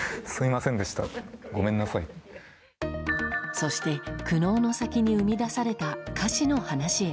そして苦悩の先に生み出された歌詞の話へ。